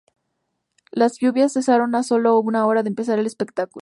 Las lluvias cesaron a sólo una hora de empezar el espectáculo.